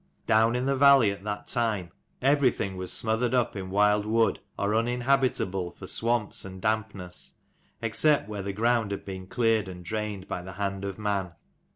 Down in the valley at that time every thing was smothered up in wild wood, or uninhabitable for swamps and dampness, except where the ground had been cleared and drained by the hand of man.